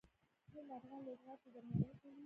هند افغان لوبغاړو ته درناوی کوي.